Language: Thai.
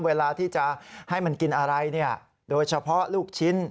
เวลาที่จะให้มันกินอะไรเนี่ยโดยเฉพาะลูกชิ้น